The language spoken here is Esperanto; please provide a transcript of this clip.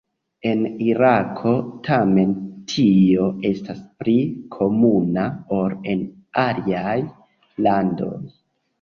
En Irako tamen tio estas pli komuna ol en aliaj landoj.